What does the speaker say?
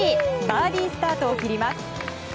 バーディースタートを切ります。